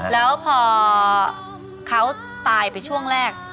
แล้วพอเขาตายไปช่วงแรก